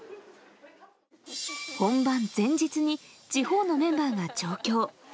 本番前日に、地方のメンバーが上京。